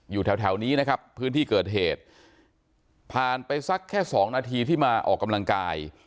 อยู่แถวนี้นะครับพื้นที่เกิดเหตุผ่านไปสักแค่สองนาทีที่มาออกกำลังกาย